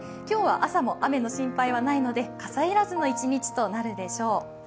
今日は朝も雨の心配はないので傘要らずの一日となるでしょう。